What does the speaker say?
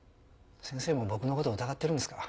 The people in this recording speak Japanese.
先生も僕の事を疑ってるんですか？